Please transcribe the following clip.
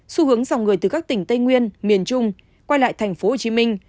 xu hướng dòng người từ các tỉnh tây nguyên miền trung quay lại thành phố hồ chí minh